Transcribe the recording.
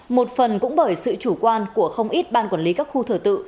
một phần cũng bởi sự chủ quan của không ít ban quản lý các khu thờ tự